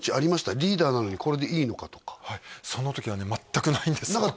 リーダーなのにこれでいいのか？とかその時はね全くないんですなかった